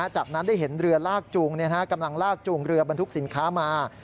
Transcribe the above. จากนั้นได้เห็นเรือลากจูงกำลังลากจูงเรือบรรทุกสินค้ามา